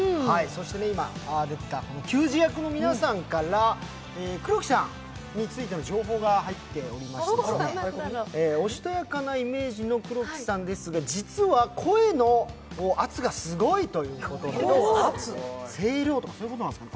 今、出ていた球児役の皆さんから黒木さんについての情報が入っておりましておしとやかなイメージの黒木さんですが実は声の圧がすごいということで声量とかそういうことですかね。